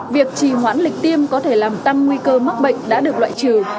việc trì hoãn lịch tiêm có thể làm tăng nguy cơ mắc bệnh đã được loại trừ